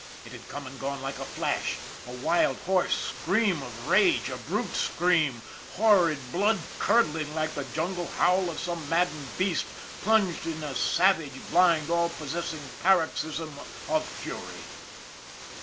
It had come and gone like a flash a wild, hoarse scream of rage, a brute scream, horrid, blood curdling, like the jungle howl of some maddened beast plunged in a savage, blind, all possessing paroxysm of fury.